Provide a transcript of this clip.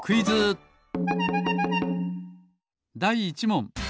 だい１もん。